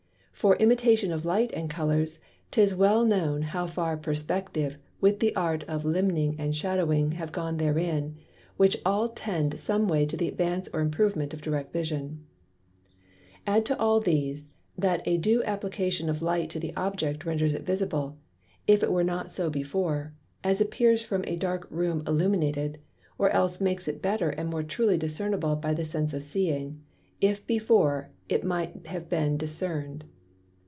For Imitation of Light and Colours, 'tis well known how far Perspective with the Art of Limning and Shadowing have gone therein, which all tend some way to the Advance or Improvement of Direct Vision. Add to all these, That a due Application of Light to the Object renders it Visible, if it were not so before; as appears from a dark Room illuminated; or else makes it better and more truly discernable by the Sense of Seeing, if before it might have been discern'd.